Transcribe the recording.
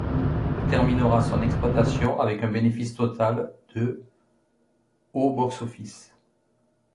Il terminera son exploitation avec un bénéfice total de au box-office.